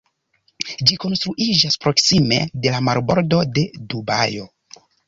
Ĝi konstruiĝas proksime de la marbordo de Dubajo.